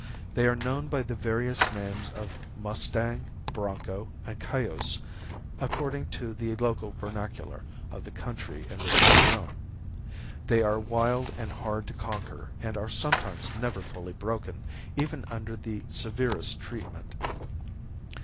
They are known by the various names of mustang, bronco and cayuse according to the local vernacular of the country in which they roam. They are wild and hard to conquer and are sometimes never fully broken even under the severest treatment.